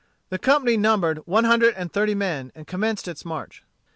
The company numbered one hundred and thirty men, and commenced its march.